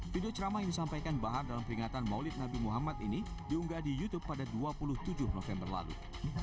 video ceramah yang disampaikan bahar dalam peringatan maulid nabi muhammad ini diunggah di youtube pada dua puluh tujuh november lalu